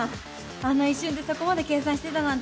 あんな一瞬でそこまで計算してたなんて。